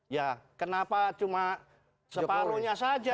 ya kenapa cuma separuhnya saja